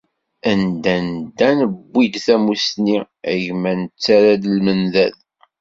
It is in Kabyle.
Anda nedda newwi-d tamusni, a gma nettara lmendad.